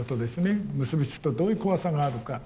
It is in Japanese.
結び付くとどういう怖さがあるか。